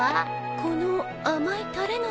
この甘いタレの匂いは。